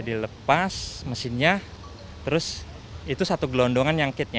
dilepas mesinnya terus itu satu gelondongan yang kitnya